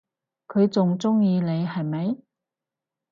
佢仲鍾意你係咪？